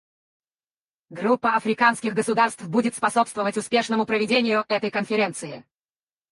Группа африканских государств будет способствовать успешному проведению этой конференции.